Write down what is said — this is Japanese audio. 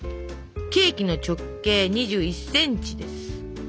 ケーキの直径２１センチです。